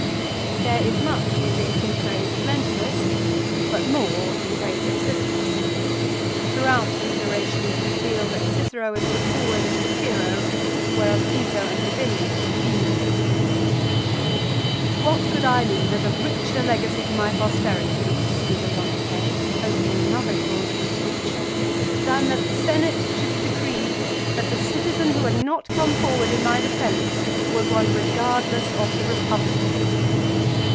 There is much in this in praise of Lentulus, but more in praise of Cicero. Through out these orations we feel that Cicero is put forward as the hero, whereas Piso and Gabinius are the demons of the piece. " What could I leave as a richer legacy to my posterity," he goes on to say, opening another clause of his speech, "than that the Senate should have decreed, that the citizen who had not come forward in my defence was one regardless of the Kepublic."